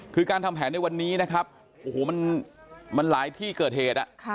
คือการทำแผนในวันนี้นะครับโอ้โหมันหลายที่เกิดเหตุ